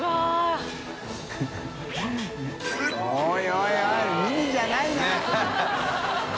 おいおいミニじゃないな！ねぇ